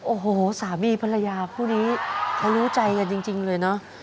โอ้โหสามีภรรยาคู่นี้เขารู้ใจกันจริงเลยเนอะ